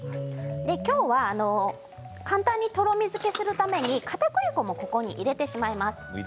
今日は簡単にとろみづけするためにかたくり粉もここに入れてしまいます。